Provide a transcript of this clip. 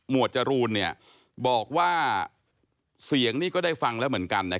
วดจรูนบอกว่าเสียงนี่ก็ได้ฟังแล้วเหมือนกัน